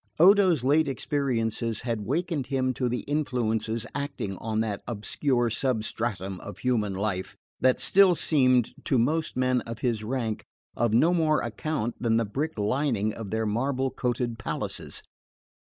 Odo's late experiences had wakened him to the influences acting on that obscure substratum of human life that still seemed, to most men of his rank, of no more account than the brick lining of their marble coated palaces.